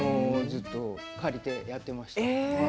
ずっと借りてやっていました。